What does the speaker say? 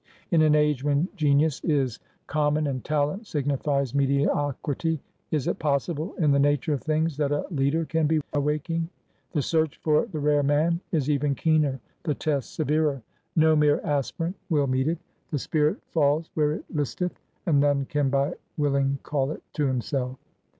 In an age when genius is common and talent signifies mediocrity, is it possible in the nature of things that a Leader can be awaking? The search for the rare man is ever keener, the test severer. No mere aspirant will TRANSITION, 323 meet it. The Spirit falls where it listeth, and none can by willing call It to himself.